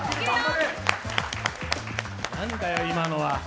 何だよ、今のは。